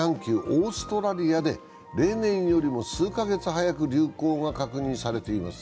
オーストラリアで例年よりも数か月早く流行が確認されています。